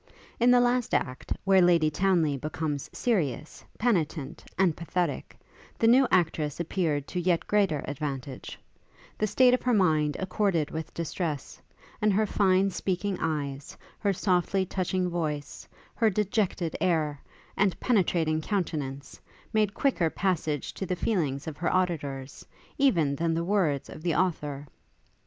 In the last act, where Lady Townly becomes serious, penitent, and pathetic, the new actress appeared to yet greater advantage: the state of her mind accorded with distress, and her fine speaking eyes, her softly touching voice, her dejected air, and penetrating countenance, made quicker passage to the feelings of her auditors, even than the words of the author.